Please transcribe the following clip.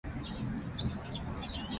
困难与挑战是激发我们的原动力